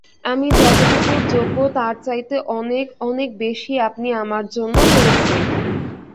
আমি যতটুকুর যোগ্য তার চাইতে অনেক, অনেক বেশী আপনি আমার জন্য করেছেন।